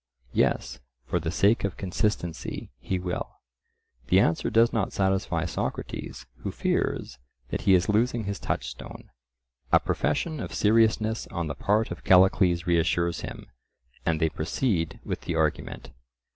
"Yes, for the sake of consistency, he will." The answer does not satisfy Socrates, who fears that he is losing his touchstone. A profession of seriousness on the part of Callicles reassures him, and they proceed with the argument.